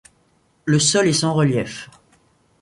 Le sol est sans relief.